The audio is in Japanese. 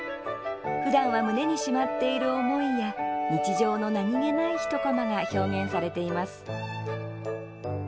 ふだんは胸にしまっている思いや日常の何気ない一コマが表現されています。